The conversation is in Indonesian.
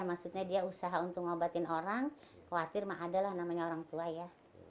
maksudnya dia usaha untuk ngobatin orang khawatir mah adalah namanya orang tua ya